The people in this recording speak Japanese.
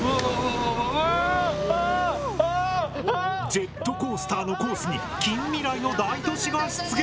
ジェットコースターのコースに近未来の大都市が出現！